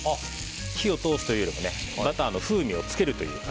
火を通すというよりもバターの風味をつけるという。